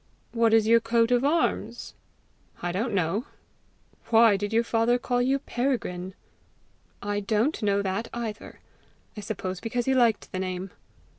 "What is your coat of arms?" "I don't know." "Why did your father call you Peregrine?" "I don't know that either. I suppose because he liked the name."